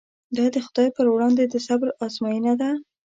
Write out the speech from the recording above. دا د خدای پر وړاندې د صبر ازموینه ده.